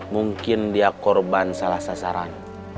mungkin dia korban salah sasaran